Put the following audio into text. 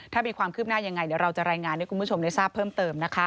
ถ้ามีความคืบหน้ายังไงเดี๋ยวเราจะรายงานให้คุณผู้ชมได้ทราบเพิ่มเติมนะคะ